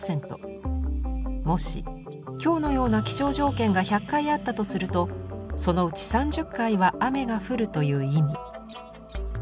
もし今日のような気象条件が１００回あったとするとそのうち３０回は雨が降るという意味。